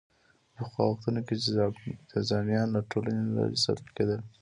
په پخوا وختونو کې جذامیان له ټولنې لرې ساتل کېدل.